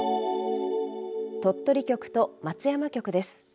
鳥取局と松山局です。